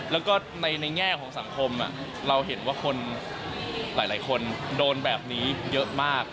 แล้วก็ในแง่ของสังคมเราเห็นว่าคนหลายคนโดนแบบนี้เยอะมาก